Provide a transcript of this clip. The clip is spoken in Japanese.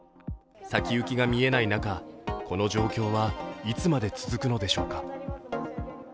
先行きが見えない中、この状況はいつまで続くのでしょうか。